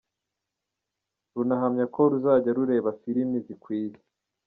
Runahamya ko ruzajya rureba filimi zikwiye.